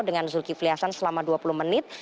dengan suki fliasan selama dua puluh menit